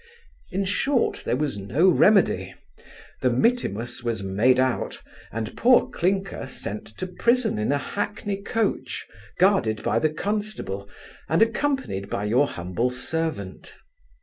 In short, there was no remedy; the mittimus was made out, and poor Clinker sent to prison in a hackney coach, guarded by the constable, and accompanied by your humble servant.